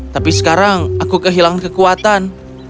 tapi sekarang aku kehilangan kekuatan